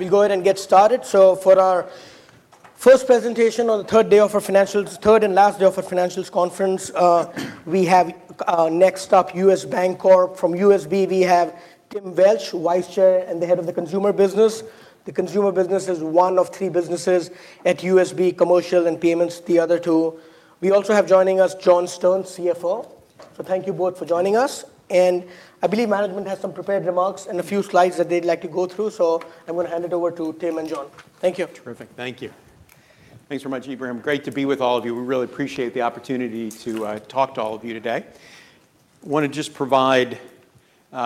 We'll go ahead and get started. So for our first presentation on the third day of our financials, third and last day of our financials conference, we have next up U.S. Bancorp from USB. We have Tim Welsh, Vice Chair and the head of the consumer business. The consumer business is one of three businesses at USB Commercial and Payments, the other two. We also have joining us John Stern, CFO. So thank you both for joining us. And I believe management has some prepared remarks and a few slides that they'd like to go through. So I'm going to hand it over to Tim and John. Thank you. Terrific. Thank you. Thanks very much, Ebrahim. Great to be with all of you. We really appreciate the opportunity to talk to all of you today. I want to just provide,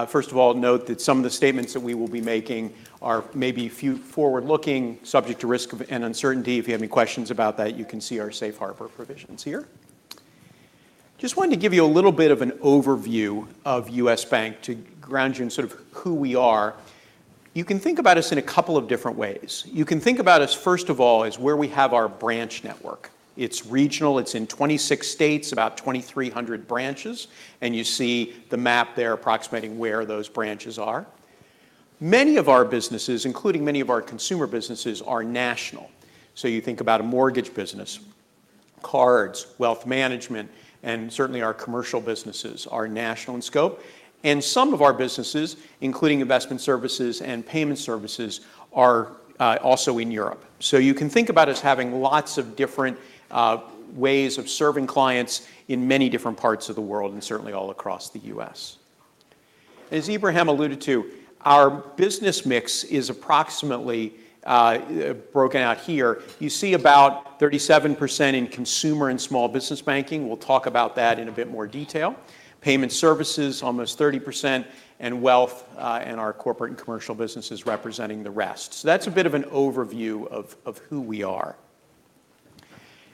first of all, note that some of the statements that we will be making are maybe forward-looking, subject to risk and uncertainty. If you have any questions about that, you can see our Safe Harbor provisions here. Just wanted to give you a little bit of an overview of U.S. Bank to ground you in sort of who we are. You can think about us in a couple of different ways. You can think about us, first of all, as where we have our branch network. It's regional. It's in 26 states, about 2,300 branches. And you see the map there approximating where those branches are. Many of our businesses, including many of our consumer businesses, are national. So you think about a mortgage business, cards, wealth management, and certainly our commercial businesses are national in scope. Some of our businesses, including investment services and payment services, are also in Europe. So you can think about us having lots of different ways of serving clients in many different parts of the world and certainly all across the U.S. As Ebrahim alluded to, our business mix is approximately broken out here. You see about 37% in consumer and small business banking. We'll talk about that in a bit more detail. Payment services, almost 30%, and wealth and our corporate and commercial businesses representing the rest. So that's a bit of an overview of who we are.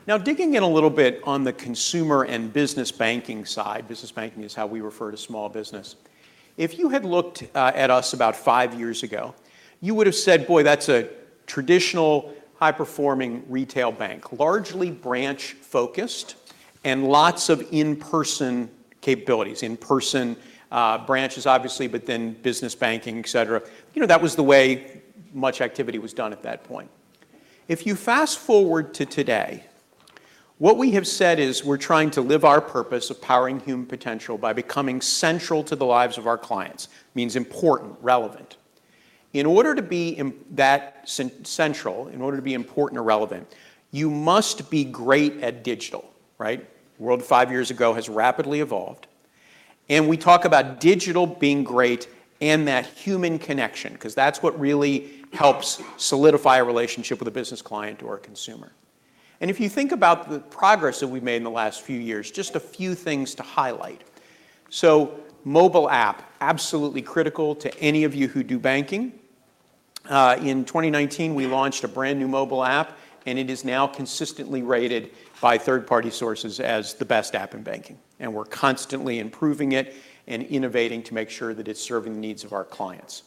Now, digging in a little bit on the consumer and business banking side, business banking is how we refer to small business. If you had looked at us about five years ago, you would have said, "Boy, that's a traditional high-performing retail bank, largely branch-focused and lots of in-person capabilities, in-person branches obviously, but then business banking, etc." That was the way much activity was done at that point. If you fast forward to today, what we have said is we're trying to live our purpose of powering human potential by becoming central to the lives of our clients. Means important, relevant. In order to be that central, in order to be important or relevant, you must be great at digital, right? The world five years ago has rapidly evolved. We talk about digital being great and that human connection because that's what really helps solidify a relationship with a business client or a consumer. And if you think about the progress that we've made in the last few years, just a few things to highlight. Mobile app, absolutely critical to any of you who do banking. In 2019, we launched a brand new mobile app, and it is now consistently rated by third-party sources as the best app in banking. We're constantly improving it and innovating to make sure that it's serving the needs of our clients.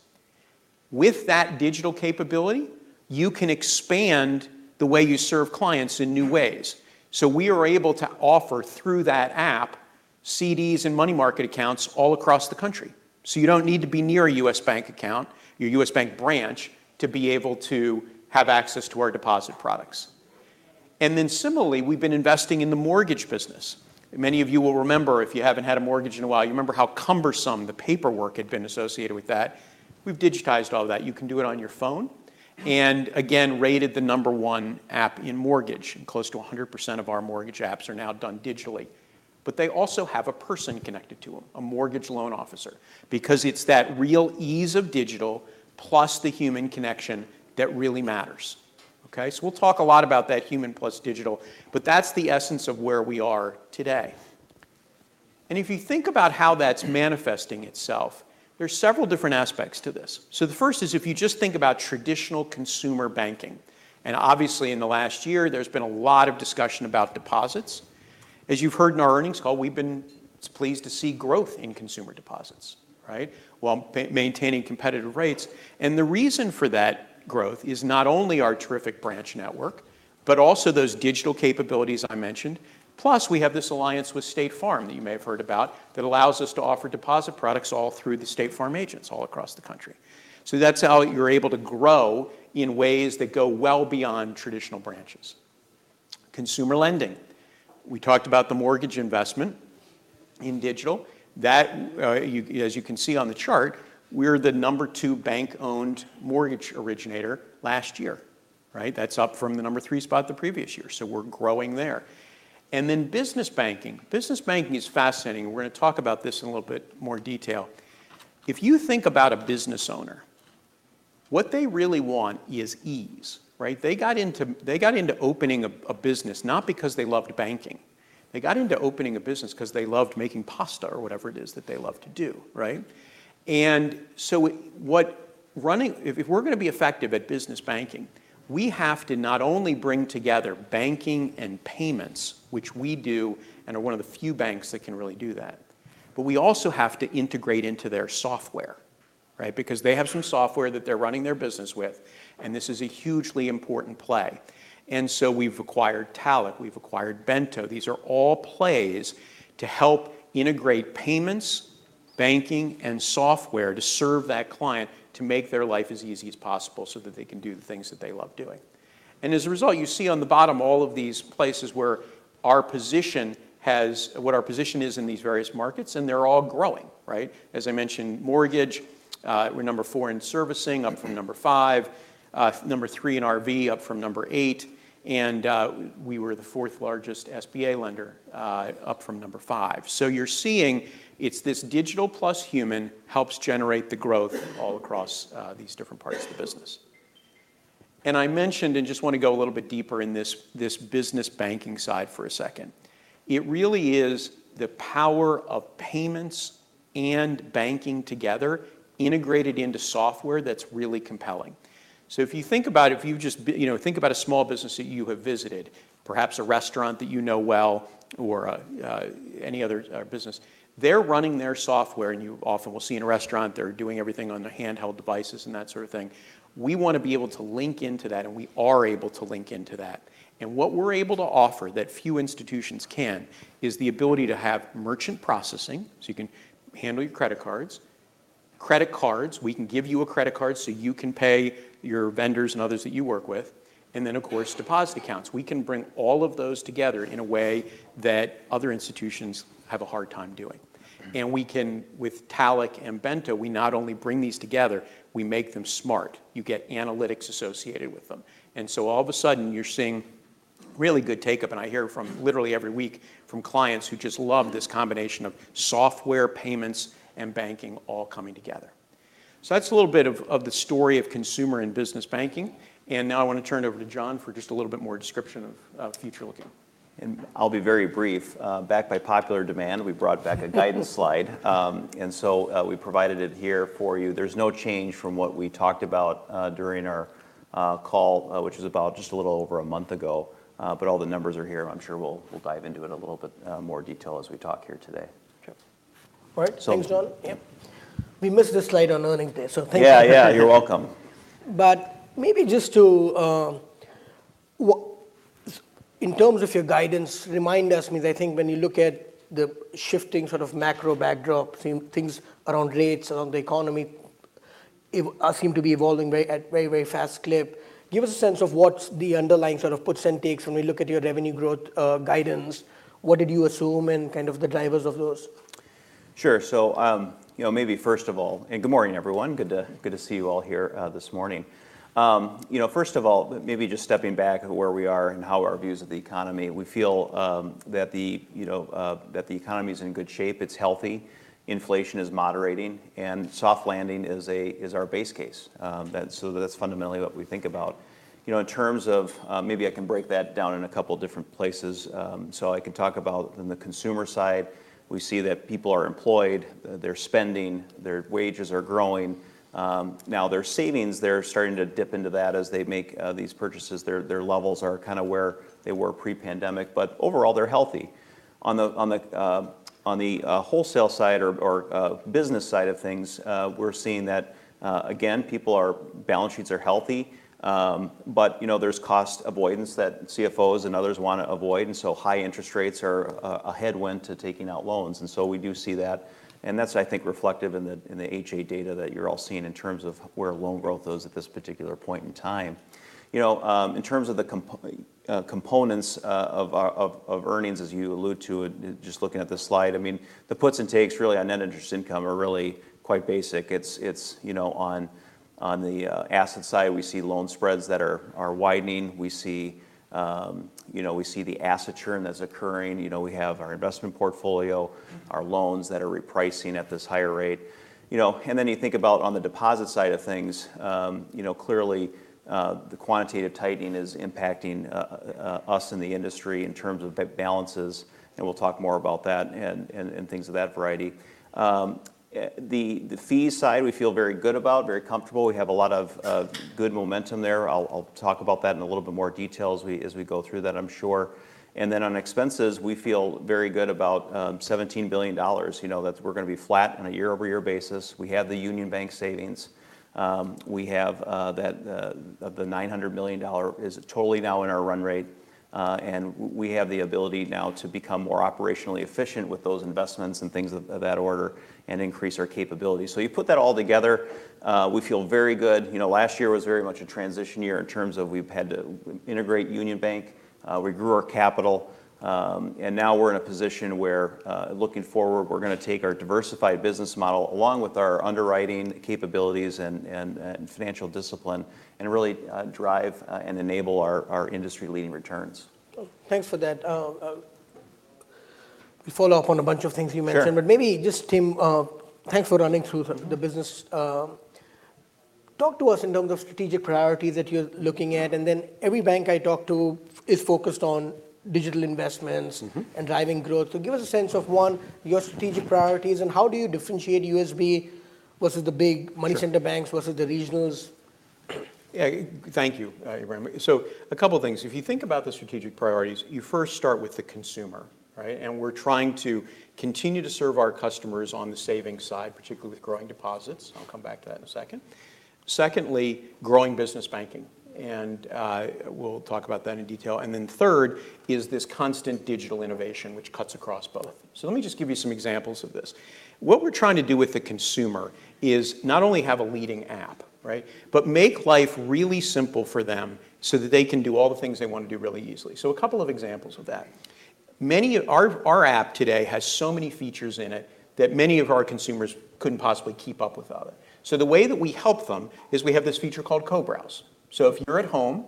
With that digital capability, you can expand the way you serve clients in new ways. We are able to offer through that app CDs and money market accounts all across the country. You don't need to be near a U.S. Bank account, your U.S. Bank branch, to be able to have access to our deposit products. Then similarly, we've been investing in the mortgage business. Many of you will remember, if you haven't had a mortgage in a while, you remember how cumbersome the paperwork had been associated with that. We've digitized all of that. You can do it on your phone. And again, rated the number one app in mortgage. And close to 100% of our mortgage apps are now done digitally. But they also have a person connected to them, a mortgage loan officer. Because it's that real ease of digital plus the human connection that really matters, okay? So we'll talk a lot about that human plus digital, but that's the essence of where we are today. And if you think about how that's manifesting itself, there's several different aspects to this. So the first is if you just think about traditional consumer banking. And obviously, in the last year, there's been a lot of discussion about deposits. As you've heard in our earnings call, we've been pleased to see growth in consumer deposits, right? While maintaining competitive rates. The reason for that growth is not only our terrific branch network, but also those digital capabilities I mentioned. Plus, we have this alliance with State Farm that you may have heard about that allows us to offer deposit products all through the State Farm agents all across the country. That's how you're able to grow in ways that go well beyond traditional branches. Consumer lending. We talked about the mortgage investment in digital. That, as you can see on the chart, we're the number two bank-owned mortgage originator last year, right? That's up from the number three spot the previous year. We're growing there. Then business banking. Business banking is fascinating. We're going to talk about this in a little bit more detail. If you think about a business owner, what they really want is ease, right? They got into opening a business not because they loved banking. They got into opening a business because they loved making pasta or whatever it is that they love to do, right? And so if we're going to be effective at business banking, we have to not only bring together banking and payments, which we do and are one of the few banks that can really do that, but we also have to integrate into their software, right? Because they have some software that they're running their business with, and this is a hugely important play. And so we've acquired Talech. We've acquired Bento. These are all plays to help integrate payments, banking, and software to serve that client to make their life as easy as possible so that they can do the things that they love doing. As a result, you see on the bottom all of these places where our position has what our position is in these various markets, and they're all growing, right? As I mentioned, mortgage, we're number four in servicing, up from number five. Number three in RV, up from number eight. We were the fourth largest SBA lender, up from number five. So you're seeing it's this digital plus human helps generate the growth all across these different parts of the business. And I mentioned, and just want to go a little bit deeper in this business banking side for a second, it really is the power of payments and banking together integrated into software that's really compelling. So if you think about it, if you've just think about a small business that you have visited, perhaps a restaurant that you know well or any other business, they're running their software. And you often will see in a restaurant, they're doing everything on the handheld devices and that sort of thing. We want to be able to link into that, and we are able to link into that. And what we're able to offer that few institutions can is the ability to have merchant processing. So you can handle your credit cards. Credit cards, we can give you a credit card so you can pay your vendors and others that you work with. And then, of course, deposit accounts. We can bring all of those together in a way that other institutions have a hard time doing. And with Talech and Bento, we not only bring these together, we make them smart. You get analytics associated with them. And so all of a sudden, you're seeing really good take-up. And I hear from literally every week from clients who just love this combination of software, payments, and banking all coming together. So that's a little bit of the story of consumer and business banking. And now I want to turn it over to John for just a little bit more description of future-looking. I'll be very brief. Backed by popular demand, we brought back a guidance slide. We provided it here for you. There's no change from what we talked about during our call, which was about just a little over a month ago. All the numbers are here. I'm sure we'll dive into it in a little bit more detail as we talk here today. Sure. All right. Thanks, John. Yep. We missed a slide on earnings there. So thank you for that. Yeah, yeah. You're welcome. But maybe just to, in terms of your guidance, remind us because I think when you look at the shifting sort of macro backdrop, things around rates, around the economy seem to be evolving at a very, very fast clip. Give us a sense of what's the underlying sort of percentage when we look at your revenue growth guidance. What did you assume and kind of the drivers of those? Sure. So maybe first of all, and good morning, everyone. Good to see you all here this morning. First of all, maybe just stepping back to where we are and how our views of the economy, we feel that the economy is in good shape. It's healthy. Inflation is moderating. Soft landing is our base case. So that's fundamentally what we think about. In terms of maybe I can break that down in a couple of different places. So I can talk about the consumer side. We see that people are employed. They're spending. Their wages are growing. Now their savings, they're starting to dip into that as they make these purchases. Their levels are kind of where they were pre-pandemic. But overall, they're healthy. On the wholesale side or business side of things, we're seeing that, again, people's balance sheets are healthy. But there's cost avoidance that CFOs and others want to avoid. And so high interest rates are a headwind to taking out loans. And so we do see that. And that's, I think, reflective in the H.8 data that you're all seeing in terms of where loan growth is at this particular point in time. In terms of the components of earnings, as you alluded to, just looking at this slide, I mean, the puts and takes really on Net Interest Income are really quite basic. It's on the asset side. We see loan spreads that are widening. We see the asset churn that's occurring. We have our investment portfolio, our loans that are repricing at this higher rate. And then you think about on the deposit side of things, clearly, the Quantitative Tightening is impacting us in the industry in terms of balances. And we'll talk more about that and things of that variety. The fee side, we feel very good about, very comfortable. We have a lot of good momentum there. I'll talk about that in a little bit more detail as we go through that, I'm sure. And then on expenses, we feel very good about $17 billion. We're going to be flat on a year-over-year basis. We have the Union Bank savings. We have the $900 million is totally now in our run rate. And we have the ability now to become more operationally efficient with those investments and things of that order and increase our capability. So you put that all together, we feel very good. Last year was very much a transition year in terms of we've had to integrate Union Bank. We grew our capital. Now we're in a position where, looking forward, we're going to take our diversified business model along with our underwriting capabilities and financial discipline and really drive and enable our industry-leading returns. Thanks for that. We follow up on a bunch of things you mentioned. But maybe just, Tim, thanks for running through the business. Talk to us in terms of strategic priorities that you're looking at. And then every bank I talk to is focused on digital investments and driving growth. So give us a sense of, one, your strategic priorities. And how do you differentiate USB versus the big money center banks versus the regionals? Yeah. Thank you, Ebrahim. So a couple of things. If you think about the strategic priorities, you first start with the consumer, right? And we're trying to continue to serve our customers on the savings side, particularly with growing deposits. I'll come back to that in a second. Secondly, growing business banking. And we'll talk about that in detail. And then third is this constant digital innovation, which cuts across both. So let me just give you some examples of this. What we're trying to do with the consumer is not only have a leading app, right? But make life really simple for them so that they can do all the things they want to do really easily. So a couple of examples of that. Our app today has so many features in it that many of our consumers couldn't possibly keep up without it. So the way that we help them is we have this feature called CoBrowse. So if you're at home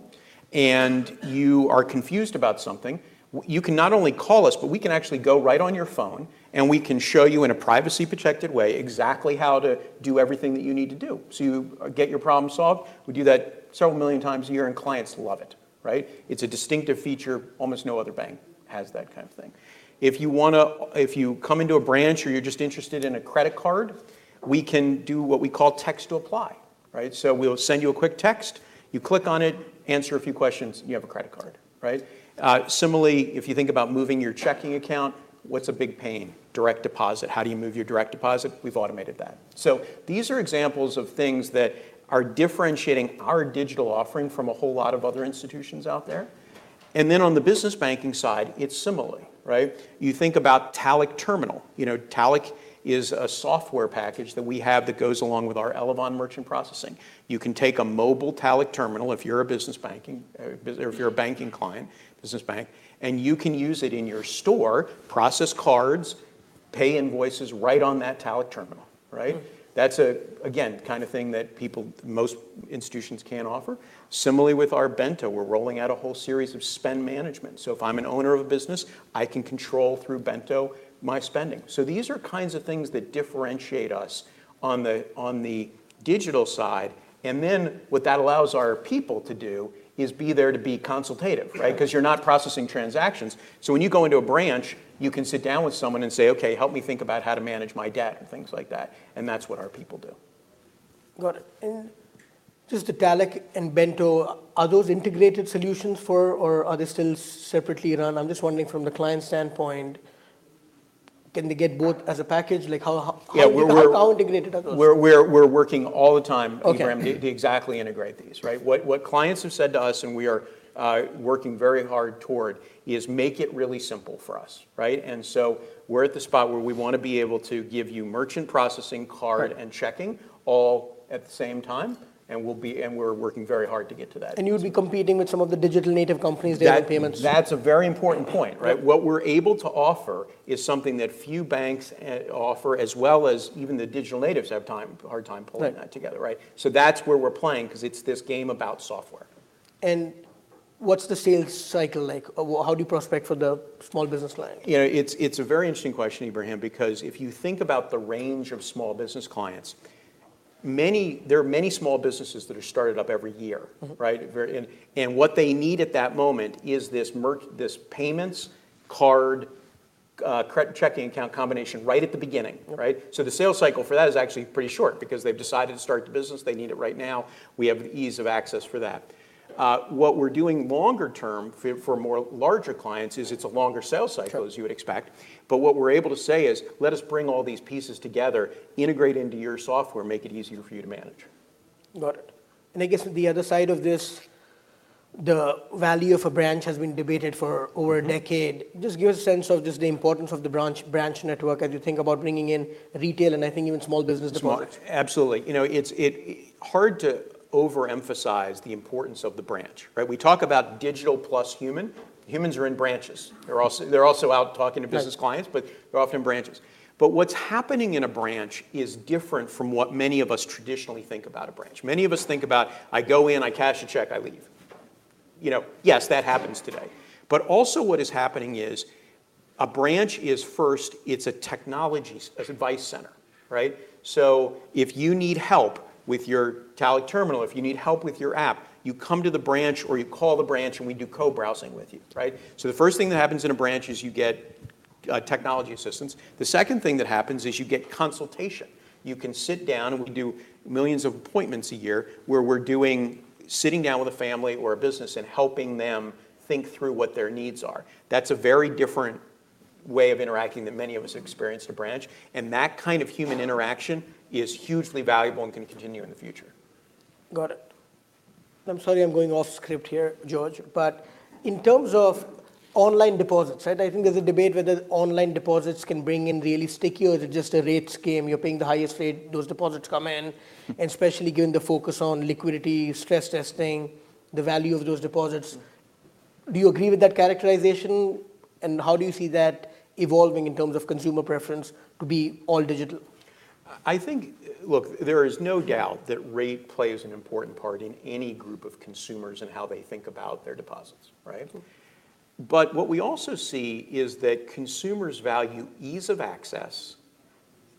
and you are confused about something, you can not only call us, but we can actually go right on your phone, and we can show you in a privacy-protected way exactly how to do everything that you need to do. So you get your problem solved. We do that several million times a year, and clients love it, right? It's a distinctive feature. Almost no other bank has that kind of thing. If you come into a branch or you're just interested in a credit card, we can do what we call text to apply, right? So we'll send you a quick text. You click on it, answer a few questions, and you have a credit card, right? Similarly, if you think about moving your checking account, what's a big pain? Direct deposit. How do you move your direct deposit? We've automated that. So these are examples of things that are differentiating our digital offering from a whole lot of other institutions out there. And then on the business banking side, it's similarly, right? You think about Talech Terminal. Talech is a software package that we have that goes along with our Elavon merchant processing. You can take a mobile Talech Terminal if you're a business banking or if you're a banking client, business bank, and you can use it in your store, process cards, pay invoices right on that Talech Terminal, right? That's a, again, kind of thing that most institutions can't offer. Similarly, with our Bento, we're rolling out a whole series of spend management. So if I'm an owner of a business, I can control through Bento my spending. So these are kinds of things that differentiate us on the digital side. And then what that allows our people to do is be there to be consultative, right? Because you're not processing transactions. So when you go into a branch, you can sit down with someone and say, "OK, help me think about how to manage my debt," and things like that. And that's what our people do. Got it. And just the Talech and Bento, are those integrated solutions for, or are they still separately run? I'm just wondering from the client standpoint, can they get both as a package? Like how integrated are those? Yeah. We're working all the time, Ebrahim, to exactly integrate these, right? What clients have said to us, and we are working very hard toward, is make it really simple for us, right? And so we're at the spot where we want to be able to give you merchant processing, card, and checking all at the same time. And we're working very hard to get to that. You would be competing with some of the digital native companies, their payments. That's a very important point, right? What we're able to offer is something that few banks offer, as well as even the digital natives have a hard time pulling that together, right? So that's where we're playing because it's this game about software. What's the sales cycle like? How do you prospect for the small business client? It's a very interesting question, Ebrahim, because if you think about the range of small business clients, there are many small businesses that are started up every year, right? And what they need at that moment is this payments, card, checking account combination right at the beginning, right? So the sales cycle for that is actually pretty short because they've decided to start the business. They need it right now. We have the ease of access for that. What we're doing longer term for larger clients is it's a longer sales cycle, as you would expect. But what we're able to say is, let us bring all these pieces together, integrate into your software, make it easier for you to manage. Got it. And I guess the other side of this, the value of a branch has been debated for over a decade. Just give us a sense of just the importance of the branch network as you think about bringing in retail and I think even small business departments. Absolutely. It's hard to overemphasize the importance of the branch, right? We talk about digital plus human. Humans are in branches. They're also out talking to business clients, but they're often in branches. But what's happening in a branch is different from what many of us traditionally think about a branch. Many of us think about, I go in, I cash a check, I leave. Yes, that happens today. But also what is happening is a branch is first, it's a technology advice center, right? So if you need help with your Talech Terminal, if you need help with your app, you come to the branch or you call the branch, and we do co-browsing with you, right? So the first thing that happens in a branch is you get technology assistance. The second thing that happens is you get consultation. You can sit down, and we do millions of appointments a year where we're sitting down with a family or a business and helping them think through what their needs are. That's a very different way of interacting that many of us experience in a branch. That kind of human interaction is hugely valuable and can continue in the future. Got it. I'm sorry I'm going off-script here, George. But in terms of online deposits, right? I think there's a debate whether online deposits can bring in really sticky or is it just a rate scheme? You're paying the highest rate. Those deposits come in, and especially given the focus on liquidity, stress testing, the value of those deposits. Do you agree with that characterization? And how do you see that evolving in terms of consumer preference to be all digital? I think, look, there is no doubt that rate plays an important part in any group of consumers and how they think about their deposits, right? But what we also see is that consumers value ease of access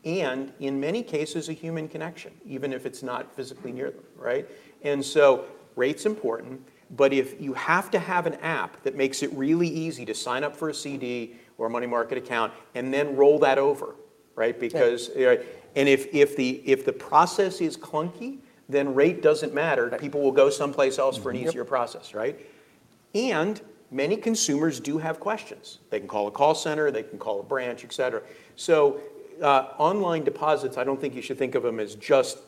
and, in many cases, a human connection, even if it's not physically near them, right? And so rate's important. But if you have to have an app that makes it really easy to sign up for a CD or a money market account and then roll that over, right? And if the process is clunky, then rate doesn't matter. People will go someplace else for an easier process, right? And many consumers do have questions. They can call a call center. They can call a branch, et cetera. So online deposits, I don't think you should think of them as just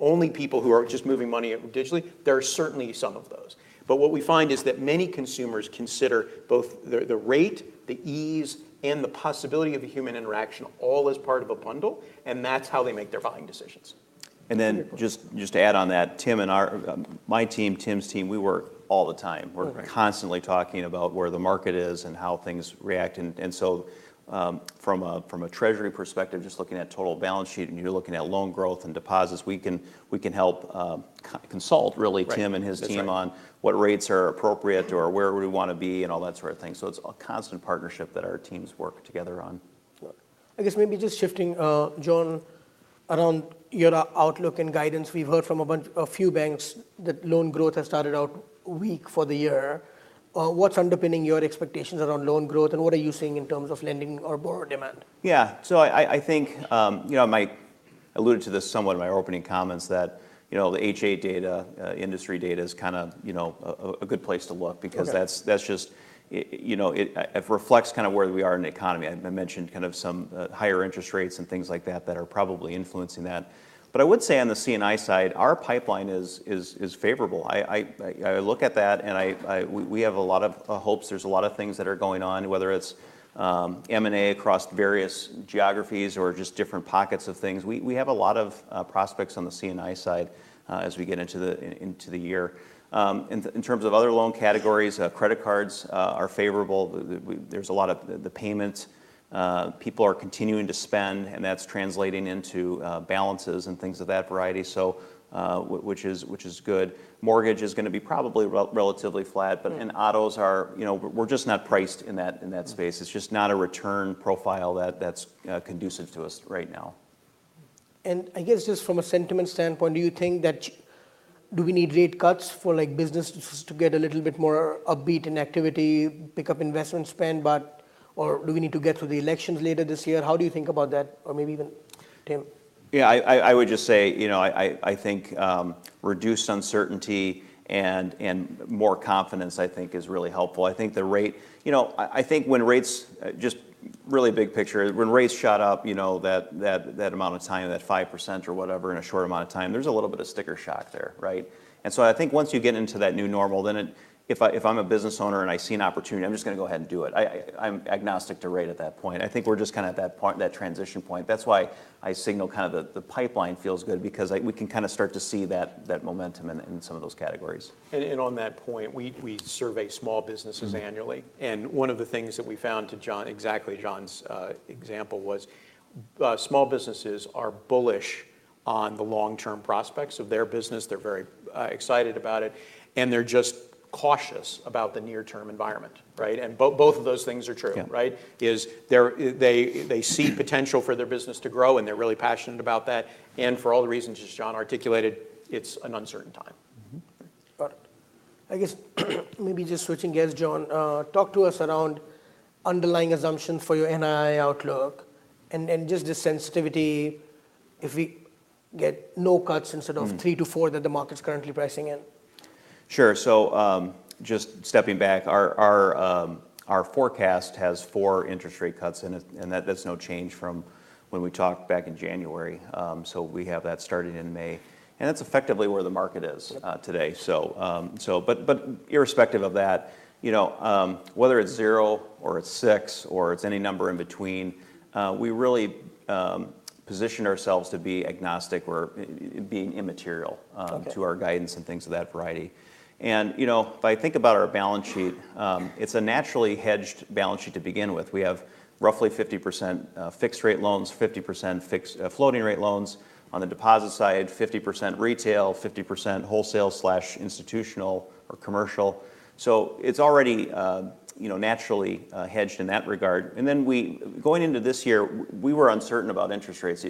only people who are just moving money digitally. There are certainly some of those. But what we find is that many consumers consider both the rate, the ease, and the possibility of a human interaction all as part of a bundle. And that's how they make their buying decisions. And then just to add on that, Tim and my team, Tim's team, we work all the time. We're constantly talking about where the market is and how things react. And so from a treasury perspective, just looking at total balance sheet and you're looking at loan growth and deposits, we can help consult, really, Tim and his team on what rates are appropriate or where we want to be and all that sort of thing. So it's a constant partnership that our teams work together on. I guess maybe just shifting, John, around your outlook and guidance. We've heard from a few banks that loan growth has started out weak for the year. What's underpinning your expectations around loan growth? And what are you seeing in terms of lending or borrower demand? Yeah. So I think I alluded to this somewhat in my opening comments, that the H.8 data, industry data, is kind of a good place to look because that just reflects kind of where we are in the economy. I mentioned kind of some higher interest rates and things like that that are probably influencing that. But I would say on the C&I side, our pipeline is favorable. I look at that, and we have a lot of hopes. There's a lot of things that are going on, whether it's M&A across various geographies or just different pockets of things. We have a lot of prospects on the C&I side as we get into the year. And in terms of other loan categories, credit cards are favorable. There's a lot of the payments. People are continuing to spend, and that's translating into balances and things of that variety, which is good. Mortgage is going to be probably relatively flat. But in autos, we're just not priced in that space. It's just not a return profile that's conducive to us right now. And I guess just from a sentiment standpoint, do you think that we need rate cuts for businesses to get a little bit more upbeat in activity, pick up investment spend, or do we need to get through the elections later this year? How do you think about that? Or maybe even, Tim? Yeah. I would just say I think reduced uncertainty and more confidence, I think, is really helpful. I think the rate I think when rates just really big picture, when rates shot up that amount of time, that 5% or whatever in a short amount of time, there's a little bit of sticker shock there, right? And so I think once you get into that new normal, then if I'm a business owner and I see an opportunity, I'm just going to go ahead and do it. I'm agnostic to rate at that point. I think we're just kind of at that transition point. That's why I signal kind of the pipeline feels good because we can kind of start to see that momentum in some of those categories. On that point, we survey small businesses annually. One of the things that we found to exactly John's example was small businesses are bullish on the long-term prospects of their business. They're very excited about it. They're just cautious about the near-term environment, right? Both of those things are true, right? They see potential for their business to grow, and they're really passionate about that. For all the reasons just John articulated, it's an uncertain time. Got it. I guess maybe just switching gears, John. Talk to us around underlying assumptions for your NII outlook and just the sensitivity if we get no cuts instead of three to four that the market's currently pricing in. Sure. So just stepping back, our forecast has four interest rate cuts, and that's no change from when we talked back in January. So we have that starting in May. And that's effectively where the market is today. But irrespective of that, whether it's 0 or it's six or it's any number in between, we really position ourselves to be agnostic or being immaterial to our guidance and things of that variety. And if I think about our balance sheet, it's a naturally hedged balance sheet to begin with. We have roughly 50% fixed rate loans, 50% floating rate loans on the deposit side, 50% retail, 50% wholesale/institutional or commercial. So it's already naturally hedged in that regard. And then going into this year, we were uncertain about interest rates.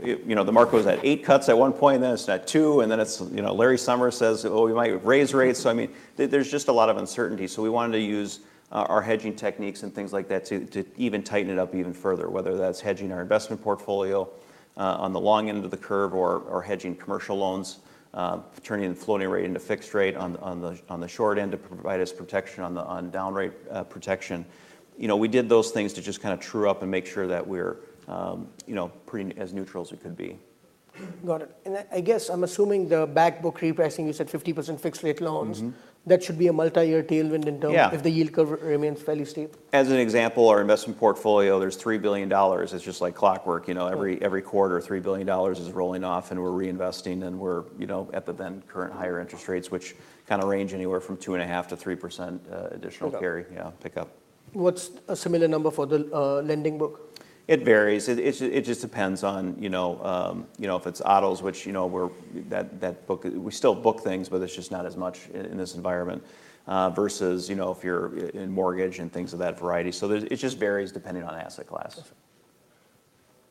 The market was at eight cuts at one point, and then it's at two. Then Larry Summers says, oh, we might raise rates. I mean, there's just a lot of uncertainty. We wanted to use our hedging techniques and things like that to even tighten it up even further, whether that's hedging our investment portfolio on the long end of the curve or hedging commercial loans, turning the floating rate into fixed rate on the short end to provide us protection on down rate protection. We did those things to just kind of true up and make sure that we're pretty as neutral as we could be. Got it. I guess I'm assuming the backbook repricing, you said 50% fixed rate loans, that should be a multi-year tailwind in terms of the yield curve remains fairly steady? As an example, our investment portfolio, there's $3 billion. It's just like clockwork. Every quarter, $3 billion is rolling off, and we're reinvesting, and we're at the then current higher interest rates, which kind of range anywhere from 2.5%-3% additional carry, yeah, pickup. What's a similar number for the lending book? It varies. It just depends on if it's autos, which we're that book we still book things, but it's just not as much in this environment versus if you're in mortgage and things of that variety. So it just varies depending on asset class.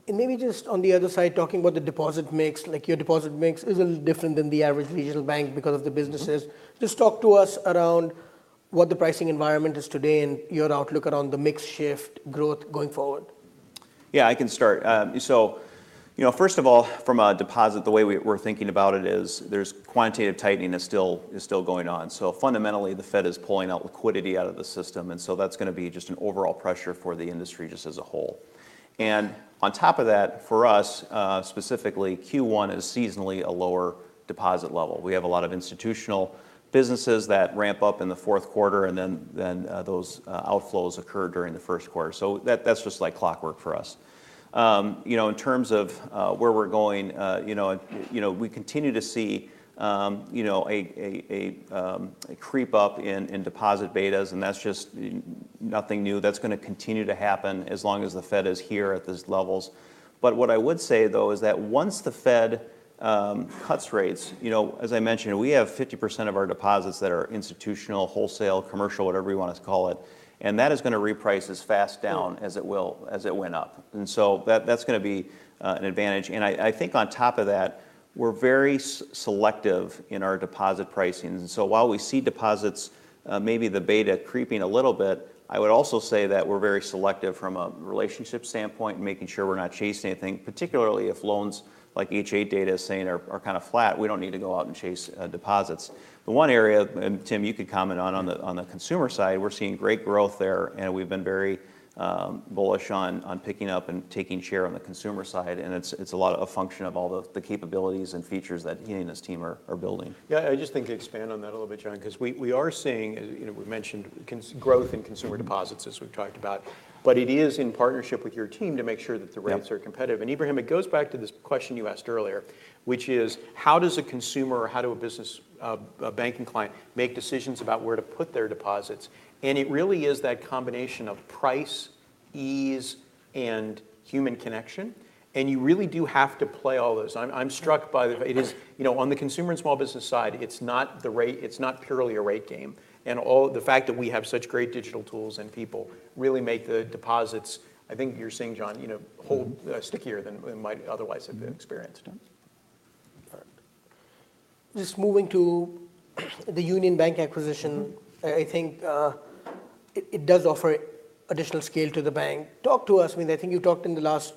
And maybe just on the other side, talking about the deposit mix, like your deposit mix is a little different than the average regional bank because of the businesses. Just talk to us around what the pricing environment is today and your outlook around the mix shift, growth going forward. Yeah. I can start. So first of all, from a deposit, the way we're thinking about it is there's quantitative tightening is still going on. So fundamentally, the Fed is pulling out liquidity out of the system. And so that's going to be just an overall pressure for the industry just as a whole. And on top of that, for us specifically, Q1 is seasonally a lower deposit level. We have a lot of institutional businesses that ramp up in the fourth quarter, and then those outflows occur during the first quarter. So that's just like clockwork for us. In terms of where we're going, we continue to see a creep up in deposit betas. And that's just nothing new. That's going to continue to happen as long as the Fed is here at these levels. But what I would say, though, is that once the Fed cuts rates, as I mentioned, we have 50% of our deposits that are institutional, wholesale, commercial, whatever you want to call it. And that is going to reprice as fast down as it went up. And so that's going to be an advantage. And I think on top of that, we're very selective in our deposit pricings. And so while we see deposits, maybe the beta, creeping a little bit, I would also say that we're very selective from a relationship standpoint and making sure we're not chasing anything, particularly if loans like H.8 data is saying are kind of flat. We don't need to go out and chase deposits. The one area, Tim, you could comment on, on the consumer side, we're seeing great growth there. We've been very bullish on picking up and taking share on the consumer side. It's a lot of a function of all the capabilities and features that he and his team are building. Yeah. I just think expand on that a little bit, John, because we are seeing, we mentioned, growth in consumer deposits as we've talked about. But it is in partnership with your team to make sure that the rates are competitive. And Ebrahim, it goes back to this question you asked earlier, which is, how does a consumer or how do a banking client make decisions about where to put their deposits? And it really is that combination of price, ease, and human connection. And you really do have to play all those. I'm struck by the fact it is on the consumer and small business side, it's not purely a rate game. And the fact that we have such great digital tools and people really make the deposits, I think you're seeing, John, hold stickier than they might otherwise have experienced. Got it. Just moving to the Union Bank acquisition, I think it does offer additional scale to the bank. Talk to us. I mean, I think you talked in the last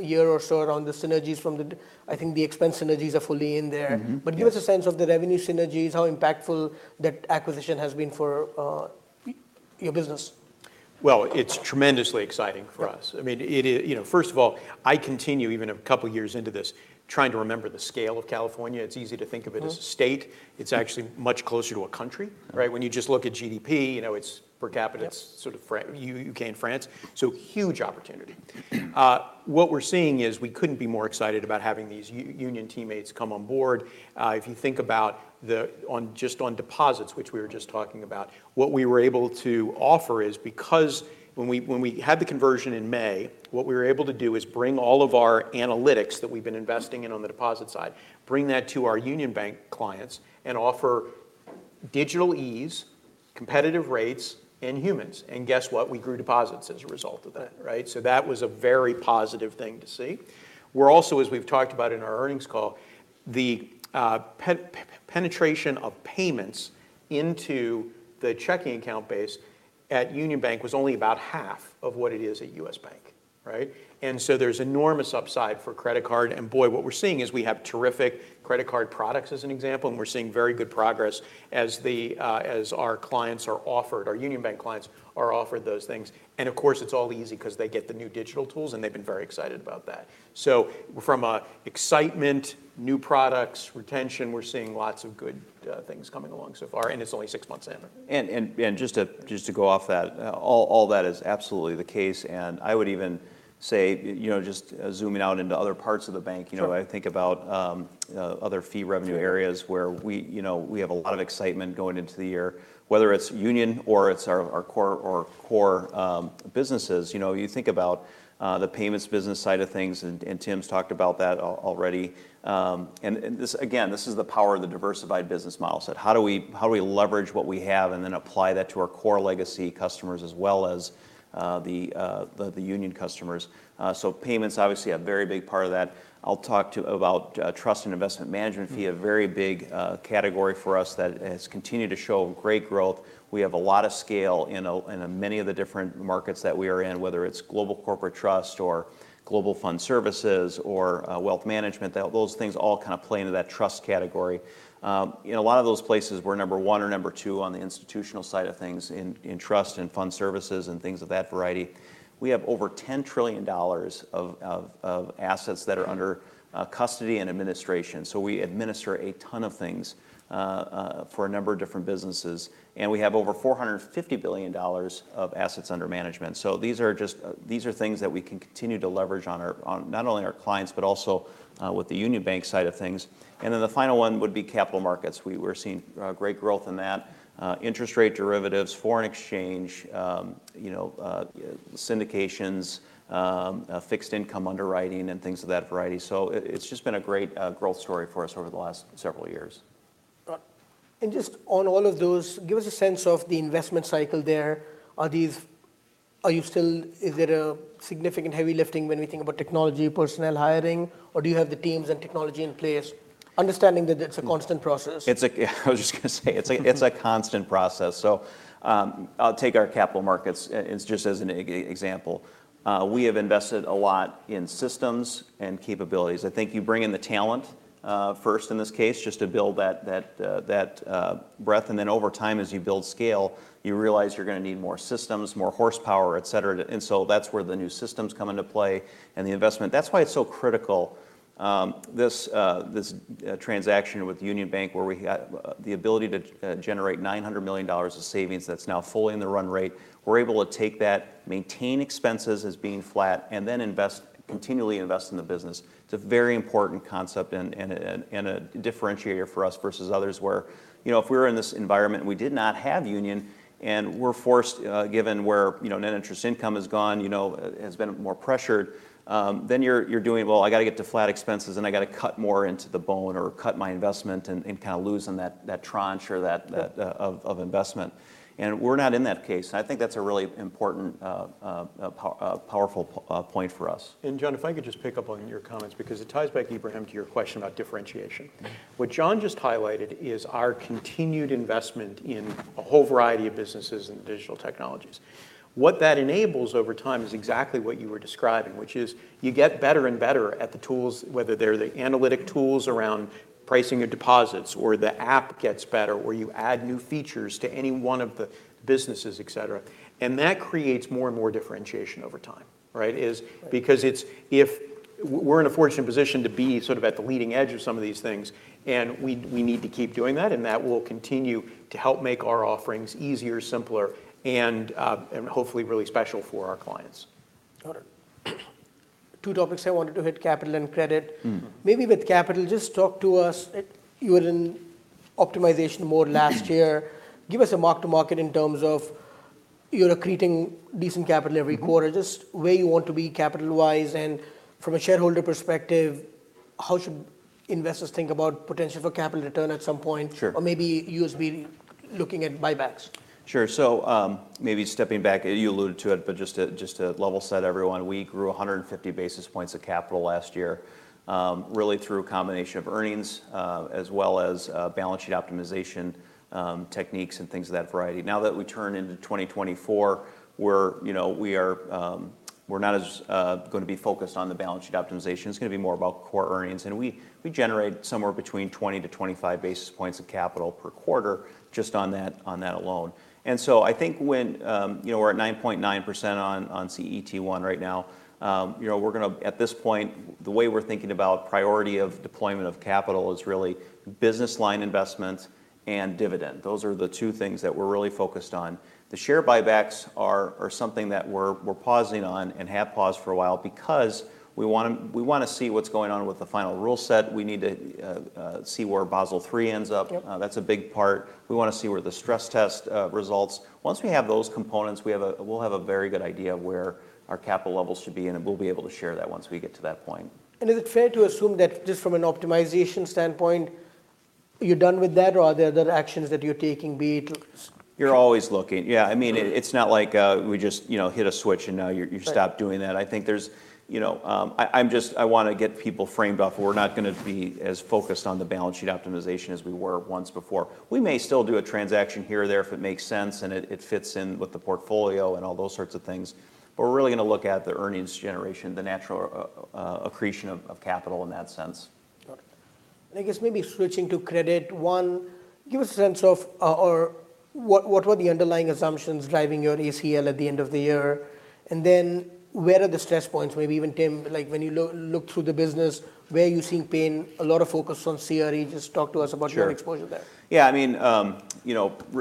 year or so around the synergies from the I think the expense synergies are fully in there. But give us a sense of the revenue synergies, how impactful that acquisition has been for your business. Well, it's tremendously exciting for us. I mean, first of all, I continue, even a couple of years into this, trying to remember the scale of California. It's easy to think of it as a state. It's actually much closer to a country, right? When you just look at GDP, it's per capita, it's sort of U.K. and France. So huge opportunity. What we're seeing is we couldn't be more excited about having these union teammates come on board. If you think about just on deposits, which we were just talking about, what we were able to offer is because when we had the conversion in May, what we were able to do is bring all of our analytics that we've been investing in on the deposit side, bring that to our Union Bank clients, and offer digital ease, competitive rates, and humans. And guess what? We grew deposits as a result of that, right? So that was a very positive thing to see. We're also, as we've talked about in our earnings call, the penetration of payments into the checking account base at Union Bank was only about half of what it is at U.S. Bank, right? And so there's enormous upside for credit card. And boy, what we're seeing is we have terrific credit card products, as an example. And we're seeing very good progress as our clients are offered our Union Bank clients are offered those things. And of course, it's all easy because they get the new digital tools, and they've been very excited about that. So from excitement, new products, retention, we're seeing lots of good things coming along so far. And it's only six months in. And just to go off that, all that is absolutely the case. And I would even say, just zooming out into other parts of the bank, I think about other fee revenue areas where we have a lot of excitement going into the year, whether it's Union or it's our core businesses. You think about the payments business side of things, and Tim's talked about that already. And again, this is the power of the diversified business model set. How do we leverage what we have and then apply that to our core legacy customers as well as the Union customers? So payments obviously have a very big part of that. I'll talk about trust and investment management fee, a very big category for us that has continued to show great growth. We have a lot of scale in many of the different markets that we are in, whether it's global corporate trust or global fund services or wealth management. Those things all kind of play into that trust category. In a lot of those places, we're number one or number two on the institutional side of things in trust and fund services and things of that variety. We have over $10 trillion of assets that are under custody and administration. So we administer a ton of things for a number of different businesses. And we have over $450 billion of assets under management. So these are things that we can continue to leverage on not only our clients but also with the Union Bank side of things. And then the final one would be capital markets. We're seeing great growth in that, interest rate derivatives, foreign exchange, syndications, fixed income underwriting, and things of that variety. So it's just been a great growth story for us over the last several years. Got it. Just on all of those, give us a sense of the investment cycle there. Are you still? Is there a significant heavy lifting when we think about technology, personnel hiring, or do you have the teams and technology in place, understanding that it's a constant process? I was just going to say it's a constant process. So I'll take our capital markets just as an example. We have invested a lot in systems and capabilities. I think you bring in the talent first in this case just to build that breadth. And then over time, as you build scale, you realize you're going to need more systems, more horsepower, et cetera. And so that's where the new systems come into play and the investment. That's why it's so critical, this transaction with Union Bank, where we got the ability to generate $900 million of savings that's now fully in the run rate. We're able to take that, maintain expenses as being flat, and then continually invest in the business. It's a very important concept and a differentiator for us versus others where if we were in this environment and we did not have Union and we're forced, given where net interest income has gone, has been more pressured, then you're doing, well, I got to get to flat expenses, and I got to cut more into the bone or cut my investment and kind of lose in that tranche of investment. We're not in that case. I think that's a really important, powerful point for us. And John, if I could just pick up on your comments because it ties back, Ebrahim, to your question about differentiation. What John just highlighted is our continued investment in a whole variety of businesses and digital technologies. What that enables over time is exactly what you were describing, which is you get better and better at the tools, whether they're the analytic tools around pricing your deposits or the app gets better or you add new features to any one of the businesses, et cetera. And that creates more and more differentiation over time, right, because we're in a fortunate position to be sort of at the leading edge of some of these things. And we need to keep doing that. And that will continue to help make our offerings easier, simpler, and hopefully really special for our clients. Got it. Two topics I wanted to hit, capital and credit. Maybe with capital, just talk to us. You were in optimization more last year. Give us a mark-to-market in terms of you're accreting decent capital every quarter, just where you want to be capital-wise. And from a shareholder perspective, how should investors think about potential for capital return at some point? Or maybe you would be looking at buybacks? Sure. So maybe stepping back, you alluded to it, but just to level set everyone, we grew 150 basis points of capital last year really through a combination of earnings as well as balance sheet optimization techniques and things of that variety. Now that we turn into 2024, we're not as going to be focused on the balance sheet optimization. It's going to be more about core earnings. And we generate somewhere between 20-25 basis points of capital per quarter just on that alone. And so I think when we're at 9.9% on CET1 right now, we're going to at this point, the way we're thinking about priority of deployment of capital is really business line investments and dividend. Those are the two things that we're really focused on. The share buybacks are something that we're pausing on and have paused for a while because we want to see what's going on with the final rule set. We need to see where Basel III ends up. That's a big part. We want to see where the stress test results. Once we have those components, we'll have a very good idea of where our capital levels should be. We'll be able to share that once we get to that point. Is it fair to assume that just from an optimization standpoint, you're done with that, or are there other actions that you're taking, be it? You're always looking. Yeah. I mean, it's not like we just hit a switch, and now you stop doing that. I think there's I want to get people framed off of we're not going to be as focused on the balance sheet optimization as we were once before. We may still do a transaction here or there if it makes sense and it fits in with the portfolio and all those sorts of things. But we're really going to look at the earnings generation, the natural accretion of capital in that sense. Got it. I guess maybe switching to credit, one, give us a sense of what were the underlying assumptions driving your ACL at the end of the year? Then where are the stress points? Maybe even, Tim, when you look through the business, where are you seeing pain? A lot of focus on CRE. Just talk to us about your exposure there. Sure. Yeah. I mean,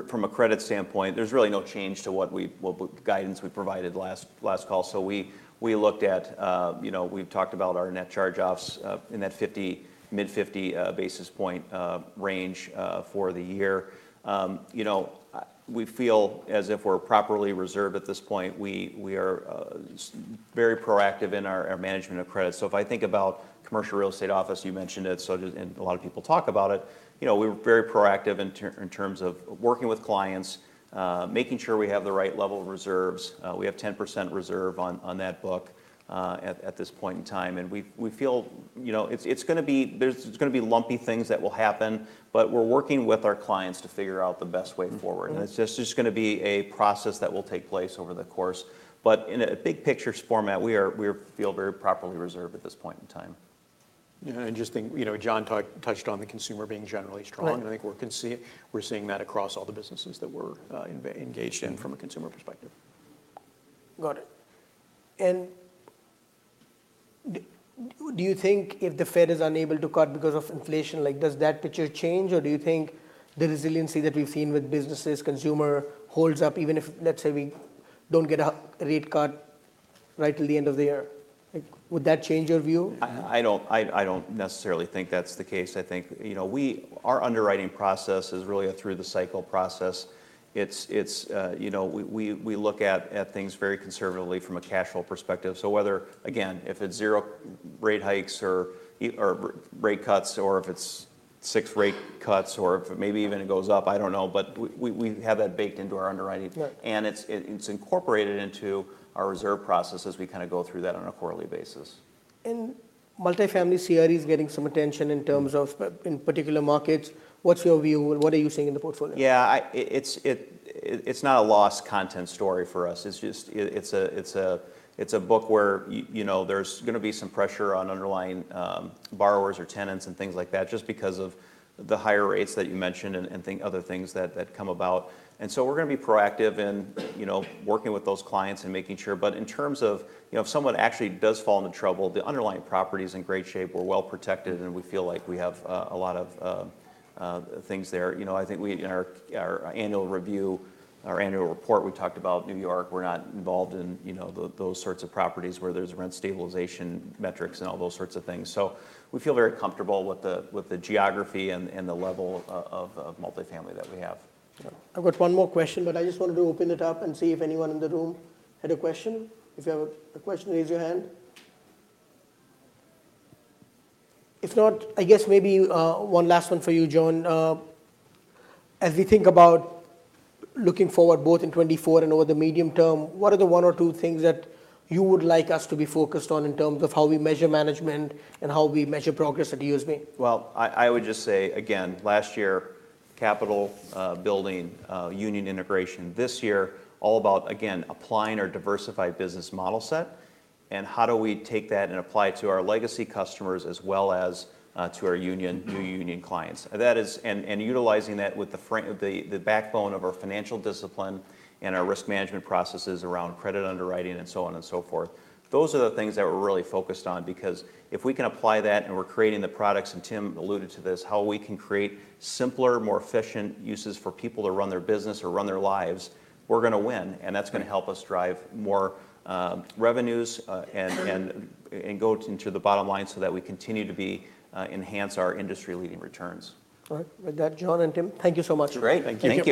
from a credit standpoint, there's really no change to what guidance we provided last call. So we looked at we've talked about our net charge-offs in that mid-50 basis point range for the year. We feel as if we're properly reserved at this point. We are very proactive in our management of credit. So if I think about commercial real estate office, you mentioned it. So a lot of people talk about it. We're very proactive in terms of working with clients, making sure we have the right level of reserves. We have 10% reserve on that book at this point in time. And we feel it's going to be there's going to be lumpy things that will happen. But we're working with our clients to figure out the best way forward. It's just going to be a process that will take place over the course. In a big picture format, we feel very properly reserved at this point in time. Yeah. And just think John touched on the consumer being generally strong. And I think we're seeing that across all the businesses that we're engaged in from a consumer perspective. Got it. And do you think if the Fed is unable to cut because of inflation, does that picture change? Or do you think the resiliency that we've seen with businesses, consumer holds up even if, let's say, we don't get a rate cut right till the end of the year? Would that change your view? I don't necessarily think that's the case. I think our underwriting process is really a through-the-cycle process. We look at things very conservatively from a cash flow perspective. So whether, again, if it's zero rate hikes or rate cuts or if it's six rate cuts or if maybe even it goes up, I don't know. But we have that baked into our underwriting. And it's incorporated into our reserve process as we kind of go through that on a quarterly basis. Multifamily CRE is getting some attention in terms of in particular markets. What's your view? What are you seeing in the portfolio? Yeah. It's not a loss-content story for us. It's a book where there's going to be some pressure on underlying borrowers or tenants and things like that just because of the higher rates that you mentioned and other things that come about. And so we're going to be proactive in working with those clients and making sure. But in terms of if someone actually does fall into trouble, the underlying property is in great shape. We're well protected. And we feel like we have a lot of things there. I think in our annual review, our annual report, we talked about New York. We're not involved in those sorts of properties where there's rent stabilization metrics and all those sorts of things. So we feel very comfortable with the geography and the level of multifamily that we have. I've got one more question. I just wanted to open it up and see if anyone in the room had a question. If you have a question, raise your hand. If not, I guess maybe one last one for you, John. As we think about looking forward both in 2024 and over the medium term, what are the one or two things that you would like us to be focused on in terms of how we measure management and how we measure progress at USB? Well, I would just say, again, last year, capital building, Union integration. This year, all about, again, applying our diversified business model set. And how do we take that and apply it to our legacy customers as well as to our Union, new Union clients? And utilizing that with the backbone of our financial discipline and our risk management processes around credit underwriting and so on and so forth, those are the things that we're really focused on because if we can apply that and we're creating the products and Tim alluded to this, how we can create simpler, more efficient uses for people to run their business or run their lives, we're going to win. And that's going to help us drive more revenues and go into the bottom line so that we continue to enhance our industry-leading returns. All right. With that, John and Tim, thank you so much. Great. Thank you.